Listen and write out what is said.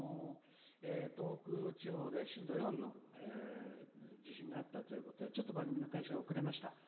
東北地方で震度４の地震があったということでちょっと番組の開始が遅れました。